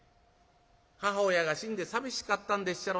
母親が死んで寂しかったんでっしゃろな。